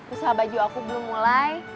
usaha baju aku belum mulai